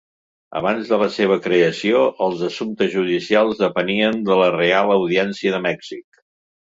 Abans de la seva creació, els assumptes judicials depenien de la Reial Audiència de Mèxic.